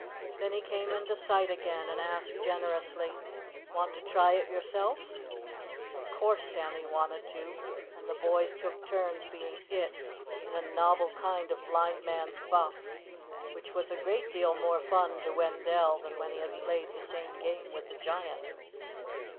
Then he came into sight again and asked generously, "Want to try it yourself?" Of course Sammy wanted to; and the boys took turns being "it" in a novel kind of blind man's buff, which was a great deal more fun to Wendell than when he had played the same game with the Giant.